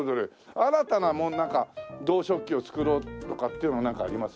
新たななんか銅食器を作ろうとかっていうのはなんかあります？